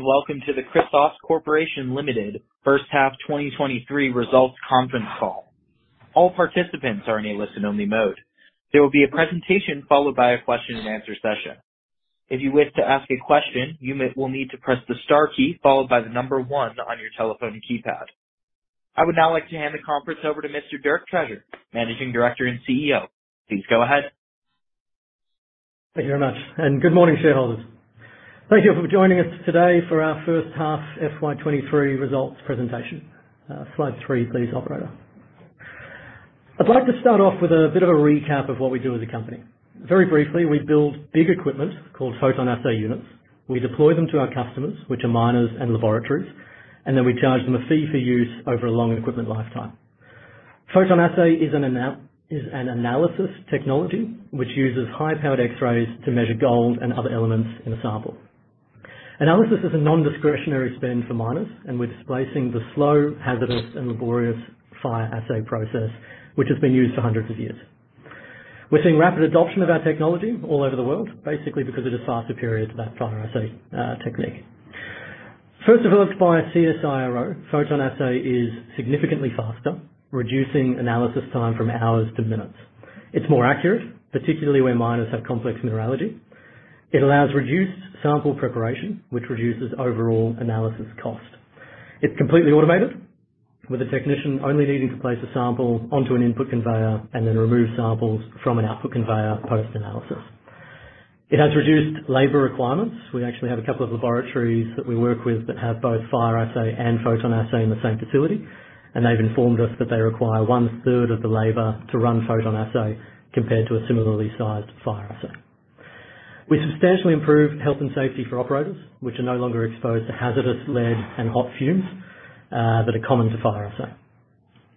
Welcome to the Chrysos Corporation Limited First Half 2023 Results Conference Call. All participants are in a listen-only mode. There will be a presentation followed by a question-and-answer session. If you wish to ask a question, you will need to press the star key followed by the number one on your telephone keypad. I would now like to hand the conference over to Mr. Dirk Treasure, Managing Director and CEO. Please go ahead. Thank you very much, and good morning, shareholders. Thank you for joining us today for our first half FY23 results presentation. Slide three please, operator. I'd like to start off with a bit of a recap of what we do as a company. Very briefly, we build big equipment called PhotonAssay units. We deploy them to our customers, which are miners and laboratories, and then we charge them a fee for use over a long equipment lifetime. PhotonAssay is an analysis technology which uses high-powered X-rays to measure gold and other elements in a sample. Analysis is a non-discretionary spend for miners, and we're displacing the slow, hazardous, and laborious fire assay process, which has been used for hundreds of years. We're seeing rapid adoption of our technology all over the world, basically because it is far superior to that fire assay technique. First developed by CSIRO, PhotonAssay is significantly faster, reducing analysis time from hours to minutes. It's more accurate, particularly where miners have complex mineralogy. It allows reduced sample preparation, which reduces overall analysis cost. It's completely automated, with a technician only needing to place a sample onto an input conveyor and then remove samples from an output conveyor post-analysis. It has reduced labor requirements. We actually have a couple of laboratories that we work with that have both fire assay and PhotonAssay in the same facility, and they've informed us that they require one-third of the labor to run PhotonAssay compared to a similarly sized fire assay. We substantially improved health and safety for operators, which are no longer exposed to hazardous lead and hot fumes that are common to fire assay.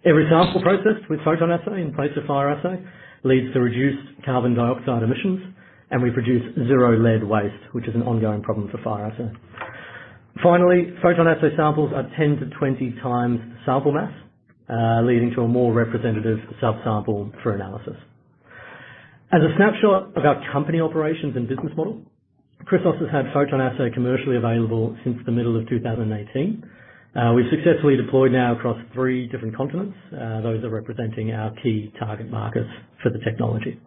Every sample processed with PhotonAssay in place of fire assay leads to reduced carbon dioxide emissions, and we produce zero lead waste, which is an ongoing problem for fire assay. Finally, PhotonAssay samples are 10-20 times the sample mass, leading to a more representative sub-sample for analysis. As a snapshot of our company operations and business model, Chrysos has had PhotonAssay commercially available since the middle of 2018. We've successfully deployed now across three different continents. Those are representing our key target markets for the technology.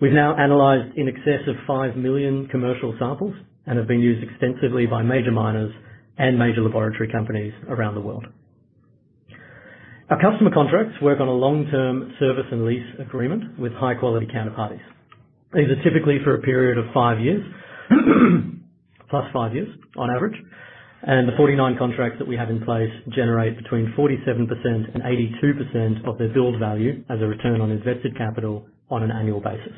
We've now analyzed in excess of 5 million commercial samples and have been used extensively by major miners and major laboratory companies around the world. Our customer contracts work on a long-term service and lease agreement with high-quality counterparties. These are typically for a period of five years, plus five years on average, and the 49 contracts that we have in place generate between 47%-82% of the billed value as a return on invested capital on an annual basis.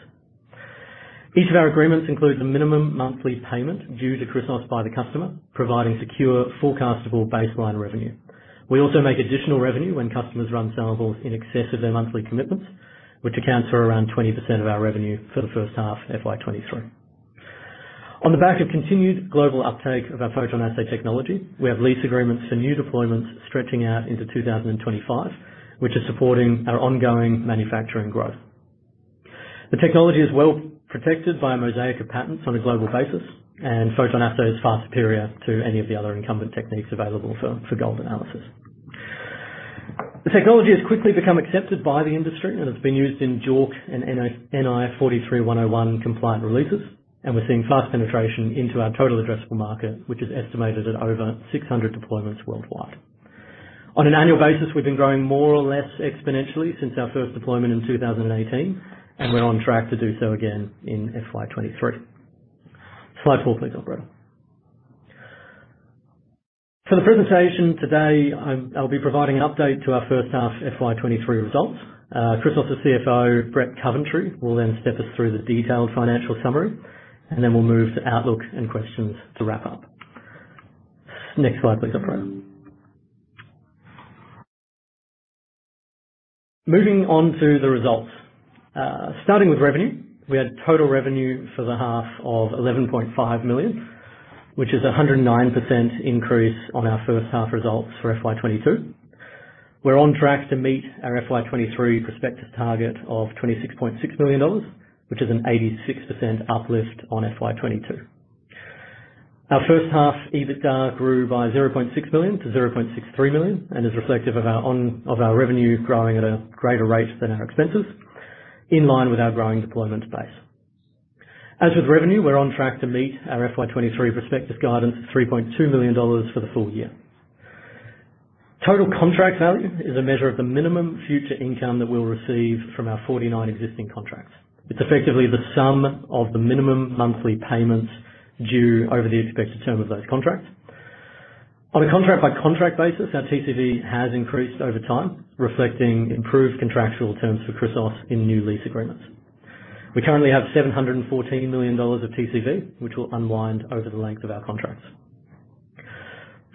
Each of our agreements includes a minimum monthly payment due to Chrysos by the customer, providing secure, forecastable baseline revenue. We also make additional revenue when customers run samples in excess of their monthly commitments, which accounts for around 20% of our revenue for the first half FY23. On the back of continued global uptake of our PhotonAssay technology, we have lease agreements for new deployments stretching out into 2025, which is supporting our ongoing manufacturing growth. The technology is well protected by a mosaic of patents on a global basis. PhotonAssay is far superior to any of the other incumbent techniques available for gold analysis. The technology has quickly become accepted by the industry and has been used in JORC and NI 43-101 compliant releases. We're seeing fast penetration into our total addressable market, which is estimated at over 600 deployments worldwide. On an annual basis, we've been growing more or less exponentially since our first deployment in 2018. We're on track to do so again in FY23. Slide four please, operator. For the presentation today, I'll be providing an update to our first half FY23 results. Chrysos' CFO, Brett Coventry, will step us through the detailed financial summary. We'll move to outlook and questions to wrap up. Next slide, please, operator. Moving on to the results. Starting with revenue. We had total revenue for the half of 11.5 million, which is a 109% increase on our first half results for FY22. We're on track to meet our FY23 prospective target of AUD 26.6 million, which is an 86% uplift on FY22. Our first half EBITDA grew by 0.6 million to 0.63 million and is reflective of our on of our revenue growing at a greater rate than our expenses, in line with our growing deployment base. As with revenue, we're on track to meet our FY23 prospective guidance of 3.2 million dollars for the full year. Total contract value is a measure of the minimum future income that we'll receive from our 49 existing contracts. It's effectively the sum of the minimum monthly payments due over the expected term of those contracts. On a contract-by-contract basis, our TCV has increased over time, reflecting improved contractual terms for Chrysos in new lease agreements. We currently have 714 million dollars of TCV, which will unwind over the length of our contracts.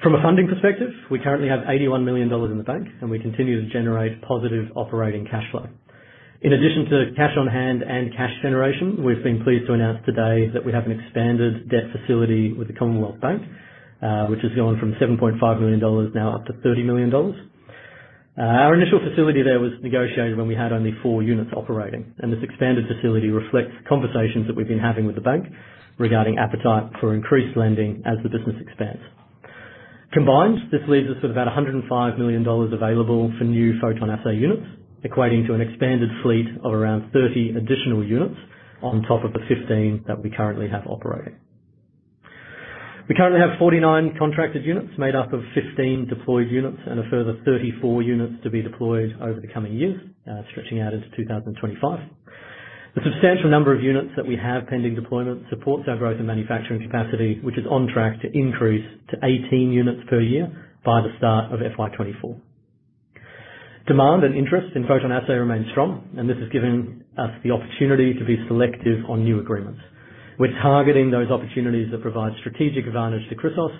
From a funding perspective, we currently have 81 million dollars in the bank, and we continue to generate positive operating cash flow. In addition to cash on hand and cash generation, we've been pleased to announce today that we have an expanded debt facility with the Commonwealth Bank, which has gone from 7.5 million dollars now up to 30 million dollars. Our initial facility there was negotiated when we had only 4 units operating, and this expanded facility reflects conversations that we've been having with the bank regarding appetite for increased lending as the business expands. Combined, this leaves us with about 105 million dollars available for new PhotonAssay units, equating to an expanded fleet of around 30 additional units on top of the 15 that we currently have operating. We currently have 49 contracted units made up of 15 deployed units and a further 34 units to be deployed over the coming years, stretching out into 2025. The substantial number of units that we have pending deployment supports our growth and manufacturing capacity, which is on track to increase to 18 units per year by the start of FY 2024. Demand and interest in PhotonAssay remains strong. This has given us the opportunity to be selective on new agreements. We're targeting those opportunities that provide strategic advantage to Chrysos,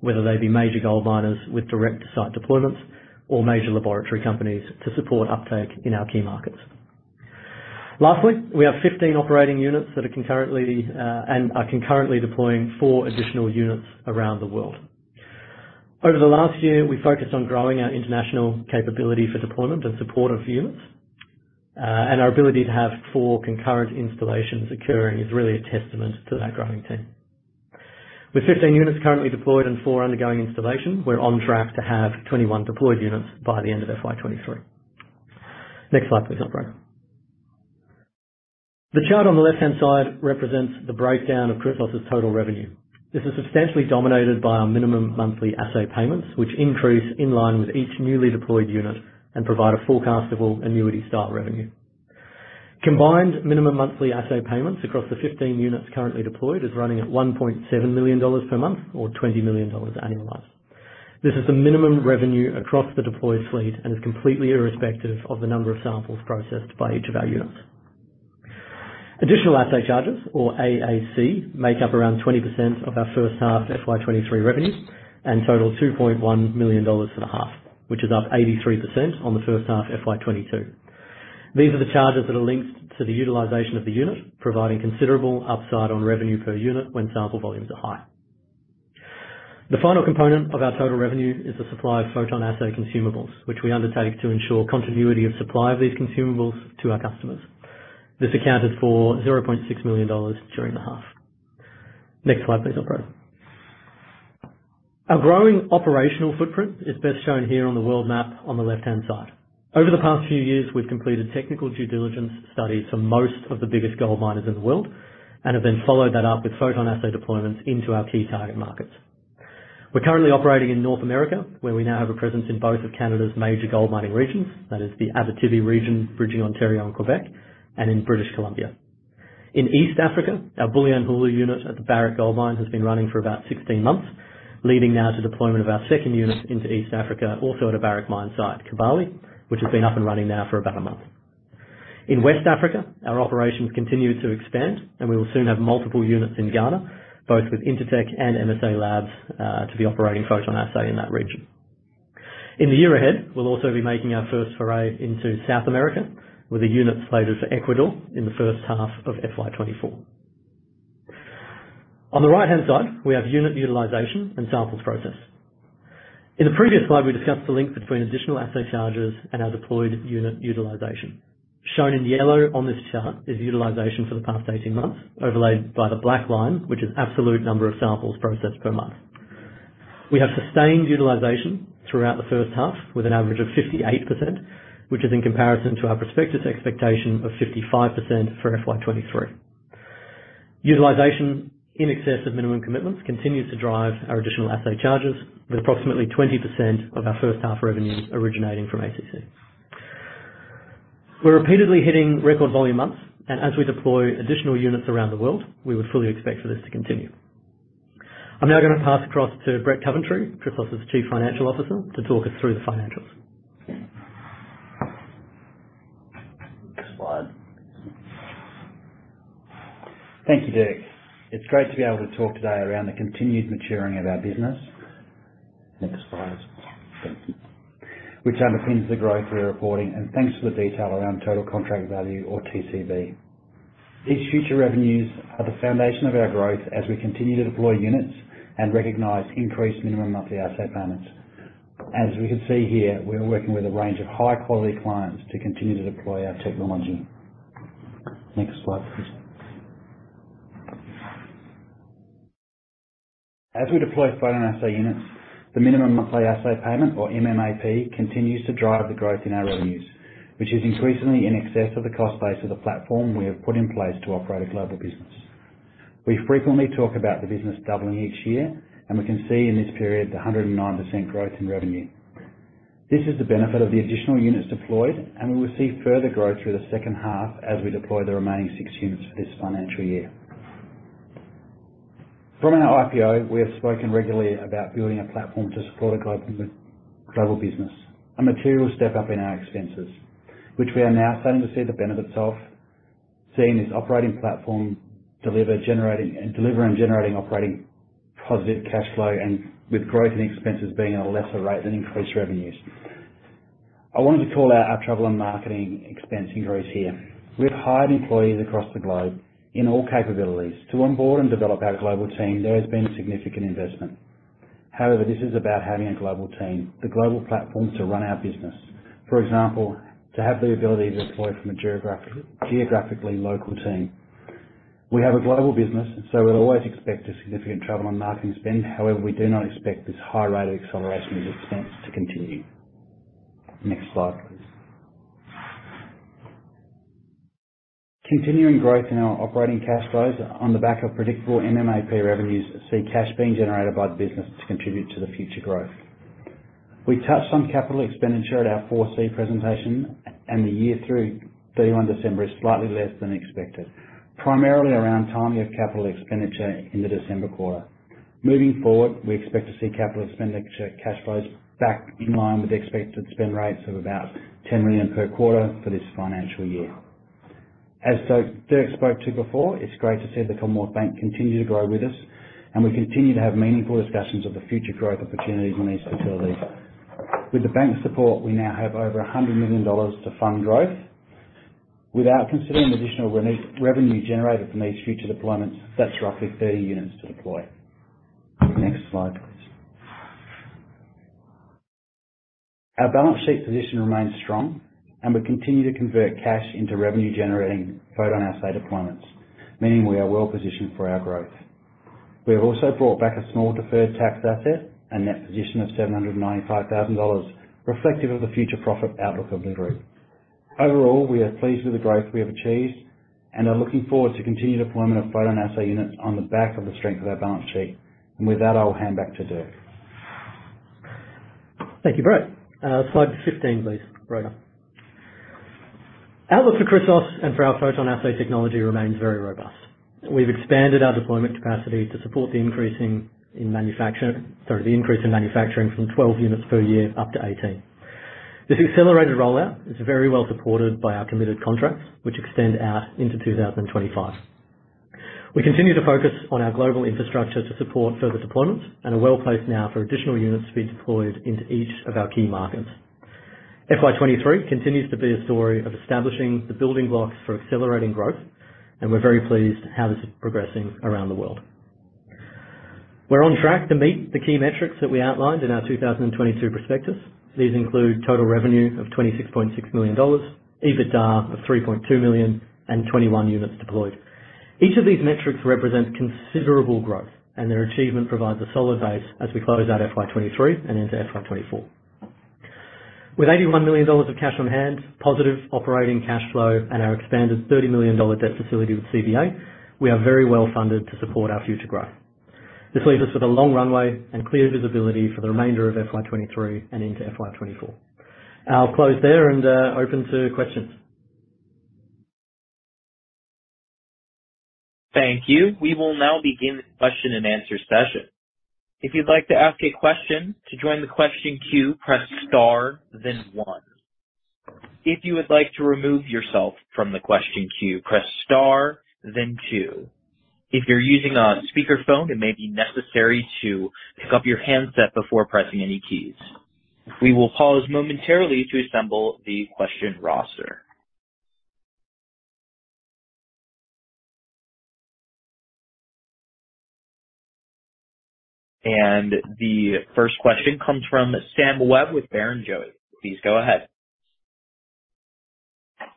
whether they be major gold miners with direct site deployments or major laboratory companies to support uptake in our key markets. Lastly, we have 15 operating units that are concurrently, and are concurrently deploying 4 additional units around the world. Over the last year, we focused on growing our international capability for deployment and support of units. Our ability to have 4 concurrent installations occurring is really a testament to that growing team. With 15 units currently deployed and four undergoing installation, we're on track to have 21 deployed units by the end of FY 2023. Next slide, please, operator. The chart on the left-hand side represents the breakdown of Chrysos' total revenue. This is substantially dominated by our minimum monthly assay payments, which increase in line with each newly deployed unit and provide a forecastable annuity-style revenue. Combined minimum monthly assay payments across the 15 units currently deployed is running at 1.7 million dollars per month or 20 million dollars annualized. This is the minimum revenue across the deployed fleet and is completely irrespective of the number of samples processed by each of our units. Additional assay charges, or AAC, make up around 20% of our first half FY23 revenue and total 2.1 million dollars for the half, which is up 83% on the first half FY22. These are the charges that are linked to the utilization of the unit, providing considerable upside on revenue per unit when sample volumes are high. The final component of our total revenue is the supply of PhotonAssay consumables, which we undertake to ensure continuity of supply of these consumables to our customers. This accounted for 0.6 million dollars during the half. Next slide, please, operator. Our growing operational footprint is best shown here on the world map on the left-hand side. Over the past few years, we've completed technical due diligence studies for most of the biggest gold miners in the world and have then followed that up with PhotonAssay deployments into our key target markets. We're currently operating in North America, where we now have a presence in both of Canada's major gold mining regions. That is the Abitibi region, bridging Ontario and Quebec, and in British Columbia. In East Africa, our Bulyanhulu unit at the Barrick Gold Mine has been running for about 16 months, leading now to deployment of our second unit into East Africa, also at a Barrick mine site, Kibali, which has been up and running now for about a month. In West Africa, our operations continue to expand, and we will soon have multiple units in Ghana, both with Intertek and MSALABS, to be operating PhotonAssay in that region. In the year ahead, we'll also be making our first foray into South America with the units slated for Ecuador in the first half of FY 2024. On the right-hand side, we have unit utilization and samples processed. In the previous slide, we discussed the link between additional assay charges and our deployed unit utilization. Shown in yellow on this chart is utilization for the past 18 months, overlaid by the black line, which is absolute number of samples processed per month. We have sustained utilization throughout the first half with an average of 58%, which is in comparison to our prospectus expectation of 55% for FY 2023. Utilization in excess of minimum commitments continues to drive our additional assay charges, with approximately 20% of our first half revenue originating from AAC. We're repeatedly hitting record volume months, as we deploy additional units around the world, we would fully expect for this to continue. I'm now gonna pass across to Brett Coventry, Chrysos' Chief Financial Officer, to talk us through the financials. Next slide. Thank you, Dirk. It's great to be able to talk today around the continued maturing of our business. Next slide. Thank you. Thanks for the detail around total contract value or TCV. These future revenues are the foundation of our growth as we continue to deploy units and recognize increased minimum monthly assay payments. As we can see here, we are working with a range of high quality clients to continue to deploy our technology. Next slide, please. As we deploy PhotonAssay units, the minimum monthly assay payment or MMAP continues to drive the growth in our revenues, which is increasingly in excess of the cost base of the platform we have put in place to operate a global business. We frequently talk about the business doubling each year, we can see in this period the 109% growth in revenue. This is the benefit of the additional units deployed, we will see further growth through the second half as we deploy the remaining six units for this financial year. From an IPO, we have spoken regularly about building a platform to support a global business, a material step-up in our expenses, which we are now starting to see the benefits of seeing this operating platform deliver and generating operating positive cash flow with growth in expenses being at a lesser rate than increased revenues. I wanted to call out our travel and marketing expense increase here. We have hired employees across the globe in all capabilities. To onboard and develop our global team, there has been significant investment. This is about having a global team, the global platform to run our business. For example, to have the ability to deploy from a geographically local team. We have a global business, we'll always expect a significant travel and marketing spend. We do not expect this high rate of acceleration of expense to continue. Next slide, please. Continuing growth in our operating cash flows on the back of predictable MMAP revenues see cash being generated by the business to contribute to the future growth. We touched on capital expenditure at our 4C presentation, the year through 31 December is slightly less than expected, primarily around timing of capital expenditure in the December quarter. Moving forward, we expect to see CapEx cash flows back in line with expected spend rates of about 10 million per quarter for this financial year. Dirk spoke to before, it's great to see the Commonwealth Bank continue to grow with us, and we continue to have meaningful discussions of the future growth opportunities in these facilities. With the bank's support, we now have over 100 million dollars to fund growth. Without considering additional revenue generated from these future deployments, that's roughly 30 units to deploy. Next slide, please. Our balance sheet position remains strong and we continue to convert cash into revenue generating PhotonAssay deployments, meaning we are well positioned for our growth. We have also brought back a small deferred tax asset and net position of 795,000 dollars reflective of the future profit outlook of the group. Overall, we are pleased with the growth we have achieved and are looking forward to continued deployment of PhotonAssay units on the back of the strength of our balance sheet. With that, I'll hand back to Dirk. Thank you, Brett. Slide 15, please, Brenda. Outlook for Chrysos and for our PhotonAssay technology remains very robust. We've expanded our deployment capacity to support the increase in manufacturing from 12 units per year up to 18. This accelerated rollout is very well supported by our committed contracts, which extend out into 2025. We continue to focus on our global infrastructure to support further deployments and are well-placed now for additional units to be deployed into each of our key markets. FY 2023 continues to be a story of establishing the building blocks for accelerating growth. We're very pleased how this is progressing around the world. We're on track to meet the key metrics that we outlined in our 2022 prospectus. These include total revenue of 26.6 million dollars, EBITDA of 3.2 million, and 21 units deployed. Each of these metrics represents considerable growth, and their achievement provides a solid base as we close out FY 2023 and into FY 2024. With 81 million dollars of cash on hand, positive operating cash flow, and our expanded 30 million dollar debt facility with CBA, we are very well funded to support our future growth. This leaves us with a long runway and clear visibility for the remainder of FY 2023 and into FY 2024. I'll close there and open to questions. Thank you. We will now begin the question and answer session. If you'd like to ask a question, to join the question queue, press star then one. If you would like to remove yourself from the question queue, press star then two. If you're using a speakerphone, it may be necessary to pick up your handset before pressing any keys. We will pause momentarily to assemble the question roster. The first question comes from Sam Webb with Barrenjoey. Please go ahead.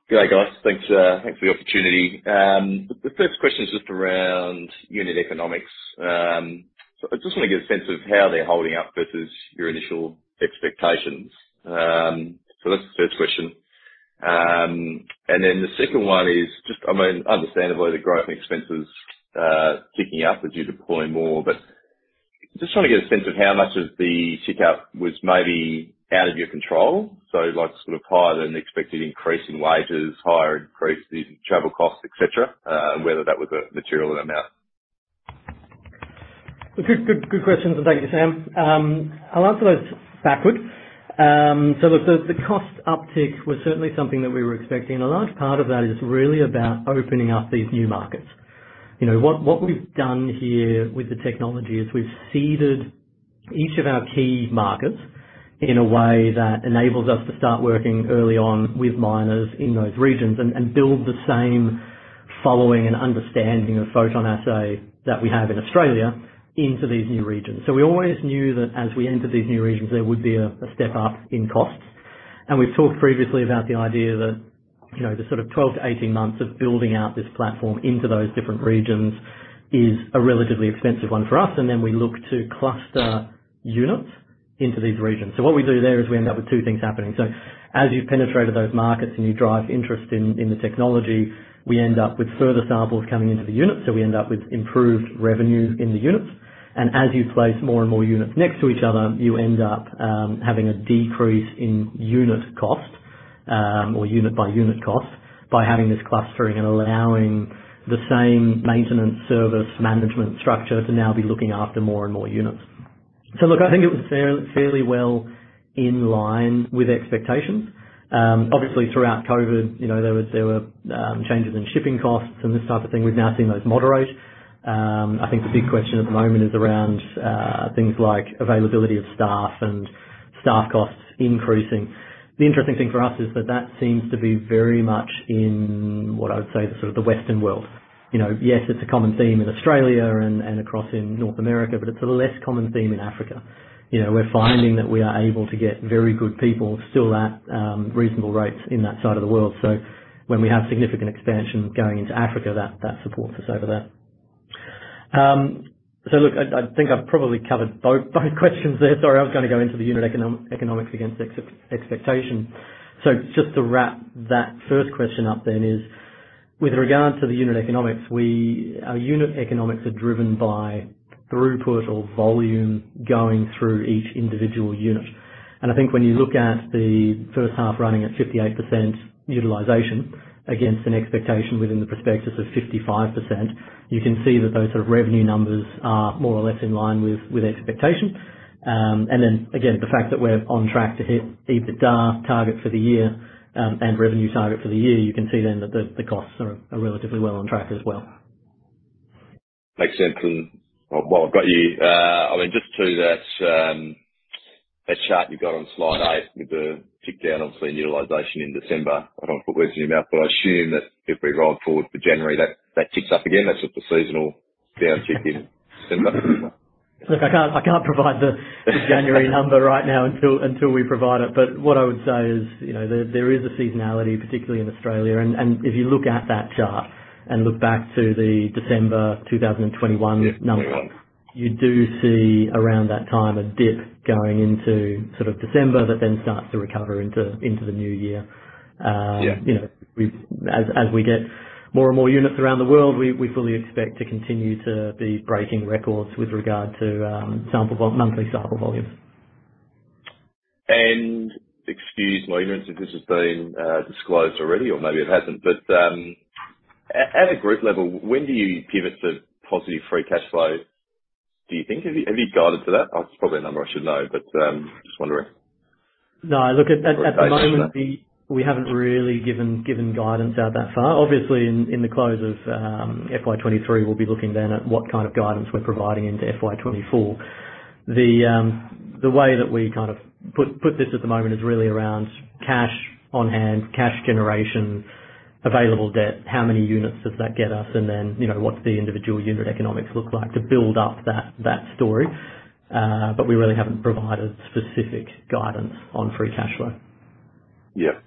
Good day, guys. Thanks, thanks for the opportunity. The first question is just around unit economics. I just want to get a sense of how they're holding up versus your initial expectations. That's the first question. The second one is just, I mean, understandably the growing expenses, ticking up with you deploying more, but just trying to get a sense of how much of the tick up was maybe out of your control. Like sort of higher than expected increase in wages, higher increase in travel costs, et cetera, and whether that was a material amount. Good, good questions. Thank you, Sam. I'll answer those backwards. Look, the cost uptick was certainly something that we were expecting. A large part of that is really about opening up these new markets. You know, what we've done here with the technology is we've seeded each of our key markets in a way that enables us to start working early on with miners in those regions and build the same following and understanding of PhotonAssay that we have in Australia into these new regions. We always knew that as we entered these new regions, there would be a step up in costs. We've talked previously about the idea that, you know, the sort of 12 to 18 months of building out this platform into those different regions is a relatively expensive one for us. We look to cluster units into these regions. What we do there is we end up with two things happening. As you've penetrated those markets and you drive interest in the technology, we end up with further samples coming into the units, so we end up with improved revenue in the units. As you place more and more units next to each other, you end up having a decrease in unit cost, or unit by unit cost by having this clustering and allowing the same maintenance service management structure to now be looking after more and more units. Look, I think it was fairly well in line with expectations. Obviously throughout COVID, you know, there were changes in shipping costs and this type of thing. We've now seen those moderate. I think the big question at the moment is around things like availability of staff and staff costs increasing. The interesting thing for us is that that seems to be very much in what I would say is sort of the Western world. You know, yes, it's a common theme in Australia and across in North America, but it's a less common theme in Africa. You know, we're finding that we are able to get very good people still at reasonable rates in that side of the world. When we have significant expansion going into Africa, that supports us over there. Look, I think I've probably covered both questions there. Sorry, I was gonna go into the unit economics against expectation. Just to wrap that first question up then is, with regard to the unit economics, we... Our unit economics are driven by throughput or volume going through each individual unit. I think when you look at the first half running at 58% utilization against an expectation within the prospectus of 55%, you can see that those sort of revenue numbers are more or less in line with expectation. Then again, the fact that we're on track to hit EBITDA target for the year, and revenue target for the year, you can see then that the costs are relatively well on track as well. Makes sense. While I've got you, I mean, just to that chart you've got on slide eight with the tick down on fleet utilization in December. I don't wanna put words in your mouth, but I assume that if we roll forward for January, that ticks up again. That's just a seasonal down tick in December. Look, I can't provide the January number right now until we provide it. What I would say is, you know, there is a seasonality, particularly in Australia. If you look at that chart and look back to the December 2021 number. Yeah. You do see around that time a dip going into sort of December that then starts to recover into the new year. Yeah. You know, as we get more and more units around the world, we fully expect to continue to be breaking records with regard to monthly sample volumes. Excuse my ignorance if this has been disclosed already or maybe it hasn't, but at a group level, when do you give it to positive free cash flow, do you think? Have you guided to that? That's probably a number I should know, but just wondering. No. Look, at the moment- A date or something. We haven't really given guidance out that far. Obviously in the close of FY 2023, we'll be looking then at what kind of guidance we're providing into FY 2024. The way that we kind of put this at the moment is really around cash on hand, cash generation, available debt, how many units does that get us, and then, you know, what's the individual unit economics look like to build up that story. We really haven't provided specific guidance on free cash flow. Yeah.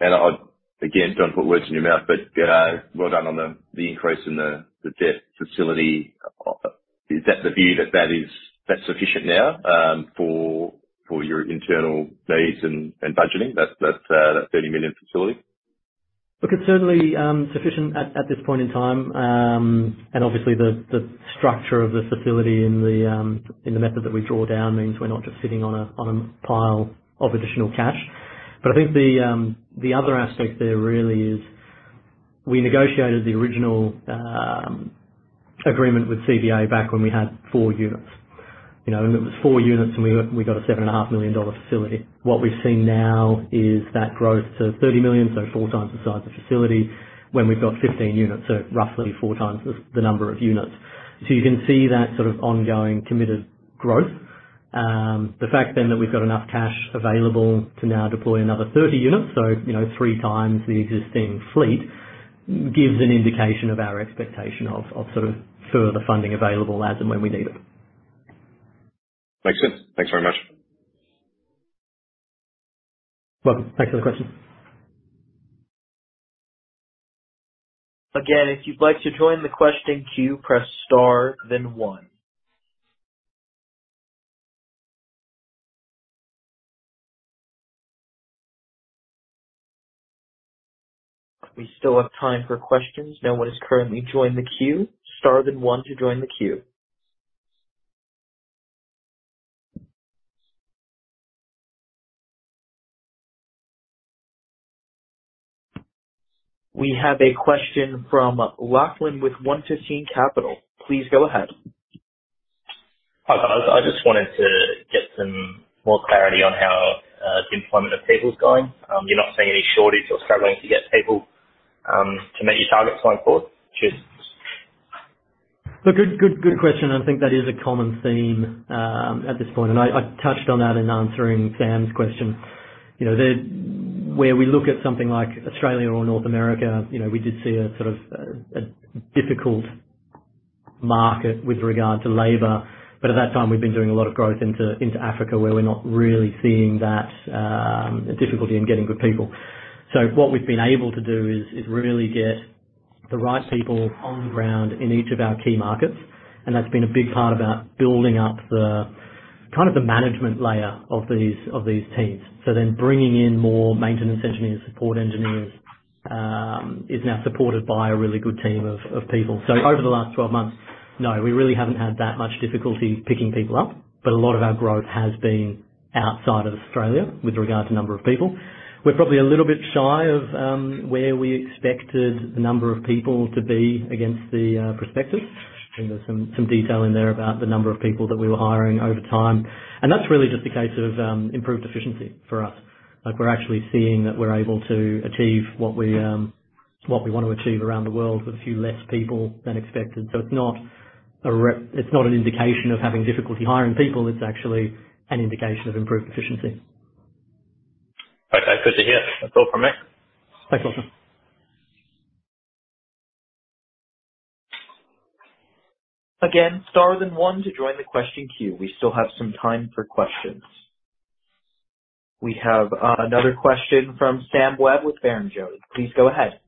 I'd again, don't put words in your mouth, but, you know, well done on the increase in the debt facility. Is that the view that that is, that's sufficient now, for your internal needs and budgeting, that 30 million facility? Look, it's certainly, sufficient at this point in time. Obviously the structure of the facility and the, and the method that we draw down means we're not just sitting on a, on a pile of additional cash. I think the other aspect there really is we negotiated the original, agreement with CBA back when we had four units. You know, and it was four units and we got a seven and a half million dollar facility. What we've seen now is that growth to 30 million, so 4 times the size of facility when we've got 15 units, so roughly 4 times the number of units. You can see that sort of ongoing committed growth. The fact then that we've got enough cash available to now deploy another 30 units, so, you know, 3 times the existing fleet, gives an indication of our expectation of sort of further funding available as and when we need it. Makes sense. Thanks very much. Welcome. Thanks for the question. Again, if you'd like to join the question queue, press star then one. We still have time for questions. No one has currently joined the queue. Star then one to join the queue. We have a question from Lachlan with One Fifteen Capital. Please go ahead. Hi. I just wanted to get some more clarity on how the employment of people is going. You're not seeing any shortage or struggling to get people to meet your targets going forward? Cheers. Good question. I think that is a common theme at this point. I touched on that in answering Sam's question. You know, where we look at something like Australia or North America, you know, we did see a sort of a difficult market with regard to labor. At that time, we've been doing a lot of growth into Africa, where we're not really seeing that difficulty in getting good people. What we've been able to do is really get the right people on the ground in each of our key markets, and that's been a big part about building up the kind of the management layer of these teams. Bringing in more maintenance engineers, support engineers, is now supported by a really good team of people. Over the last 12 months, no, we really haven't had that much difficulty picking people up, but a lot of our growth has been outside of Australia with regard to number of people. We're probably a little bit shy of where we expected the number of people to be against the prospectus. I think there's some detail in there about the number of people that we were hiring over time. That's really just a case of improved efficiency for us. Like, we're actually seeing that we're able to achieve what we want to achieve around the world with a few less people than expected. It's not an indication of having difficulty hiring people. It's actually an indication of improved efficiency. Okay. Good to hear. That's all from me. Thanks, Sam. Again, star then one to join the question queue. We still have some time for questions. We have another question from Sam Webb with Barrenjoey. Please go ahead.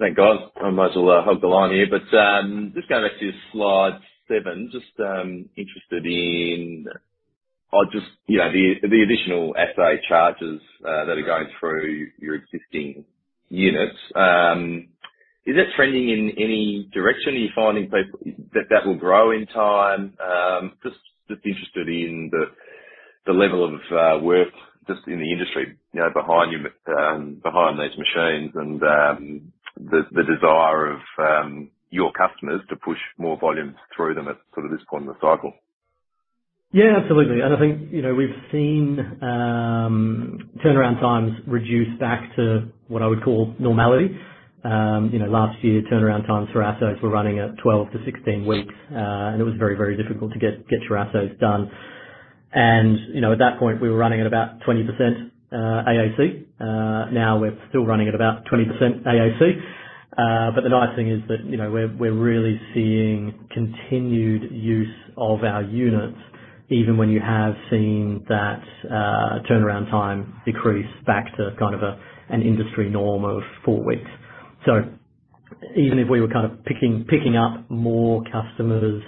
Thank God. I might as well hold the line here. Just going back to slide seven, just interested in or just, you know, the additional assay charges that are going through your existing units. Is that trending in any direction? Are you finding that that will grow in time? Just, just interested in the level of work just in the industry, you know, behind your behind these machines and the desire of your customers to push more volumes through them at sort of this point in the cycle. Yeah, absolutely. I think, you know, we've seen turnaround times reduce back to what I would call normality. You know, last year, turnaround times for assays were running at 12-16 weeks, and it was very, very difficult to get your assays done. You know, at that point, we were running at about 20% AAC. We're still running at about 20% AAC. The nice thing is that, you know, we're really seeing continued use of our units even when you have seen that turnaround time decrease back to kind of an industry norm of 4 weeks. Even if we were kind of picking up more customers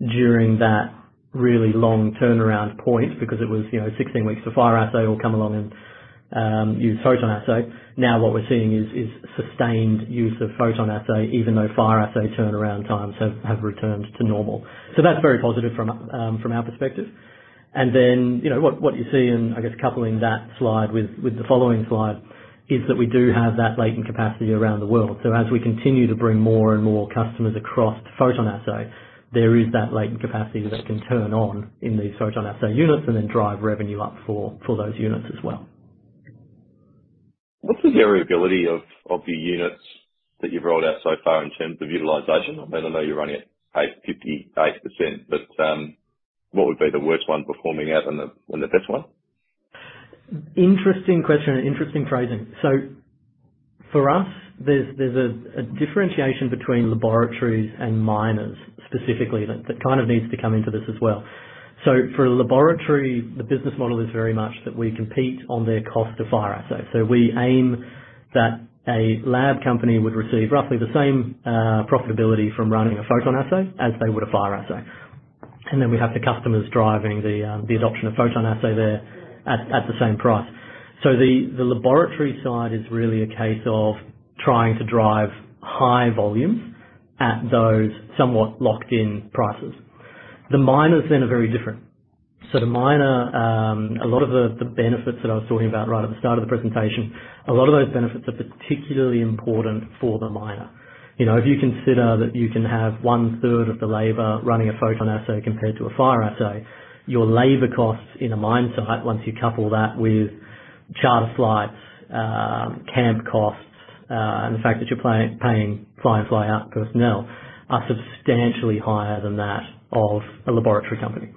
during that really long turnaround point because it was, you know, 16 weeks to fire assay or come along and use PhotonAssay, now what we're seeing is sustained use of PhotonAssay even though fire assay turnaround times have returned to normal. That's very positive from our perspective. Then, you know, what you see and I guess coupling that slide with the following slide is that we do have that latent capacity around the world. As we continue to bring more and more customers across to PhotonAssay, there is that latent capacity that can turn on in these PhotonAssay units and then drive revenue up for those units as well. What's the variability of the units that you've rolled out so far in terms of utilization? I mean, I know you're running at 58%, but what would be the worst one performing out and the best one? Interesting question. Interesting phrasing. For us, there's a differentiation between laboratories and miners specifically that kind of needs to come into this as well. For a laboratory, the business model is very much that we compete on their cost of fire assay. We aim that a lab company would receive roughly the same profitability from running a PhotonAssay as they would a fire assay. We have the customers driving the adoption of PhotonAssay there at the same price. The laboratory side is really a case of trying to drive high volume at those somewhat locked-in prices. The miners are very different. The miner, a lot of the benefits that I was talking about right at the start of the presentation, a lot of those benefits are particularly important for the miner. You know, if you consider that you can have one-third of the labor running a PhotonAssay compared to a fire assay, your labor costs in a mine site, once you couple that with charter flights, camp costs, and the fact that you're paying fly-in fly-out personnel, are substantially higher than that of a laboratory company.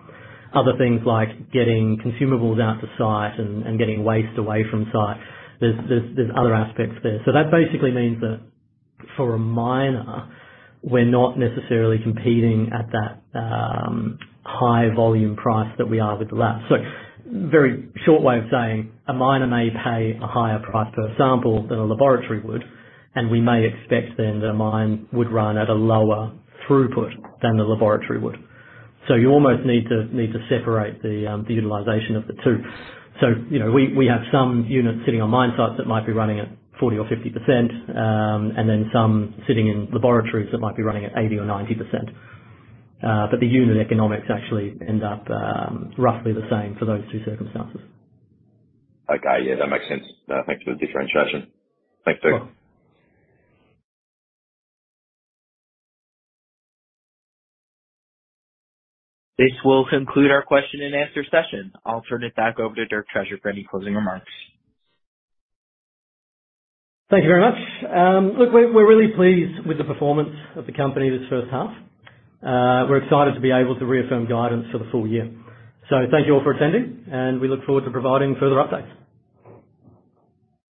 Other things like getting consumables out to site and getting waste away from site, there's other aspects there. That basically means that for a miner, we're not necessarily competing at that high volume price that we are with the lab. Very short way of saying, a miner may pay a higher price per sample than a laboratory would, and we may expect then the mine would run at a lower throughput than the laboratory would. You almost need to separate the utilization of the two. You know, we have some units sitting on mine sites that might be running at 40% or 50%, and then some sitting in laboratories that might be running at 80% or 90%. The unit economics actually end up roughly the same for those two circumstances. Okay. Yeah, that makes sense. Thanks for the differentiation. Thanks, Dirk. Sure. This will conclude our question and answer session. I'll turn it back over to Dirk Treasure for any closing remarks. Thank you very much. Look, we're really pleased with the performance of the company this first half. We're excited to be able to reaffirm guidance for the full year. Thank you all for attending, and we look forward to providing further updates.